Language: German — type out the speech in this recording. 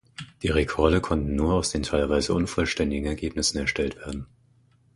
Die Rekorde konnten nur aus den teilweise unvollständigen Ergebnissen erstellt werden.